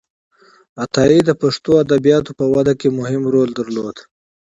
عطایي د پښتو ادبياتو په وده کې مهم رول درلود.